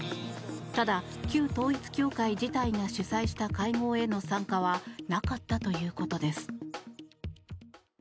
ただ、旧統一教会自体が主催した会合への参加はなかったということです。